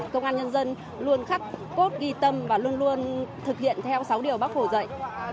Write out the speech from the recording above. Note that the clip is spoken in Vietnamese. công an nhân dân luôn khắc cốt ghi tâm và luôn luôn thực hiện theo sáu điều bác hồ dạy